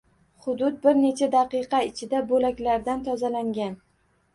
Hudud bir necha daqiqa ichida bo‘laklardan tozalangan